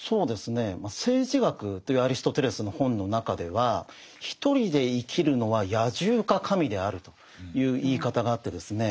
まあ「政治学」というアリストテレスの本の中ではという言い方があってですね